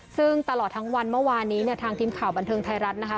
ซึ่งตลอดทั้งวันเมื่อวานนี้เนี่ยทางทีมข่าวบันเทิงไทยรัฐนะคะ